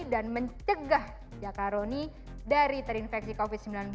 dan mencegah jakaroni dari terinfeksi covid sembilan belas